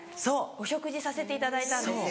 お食事させていただいたんですよ。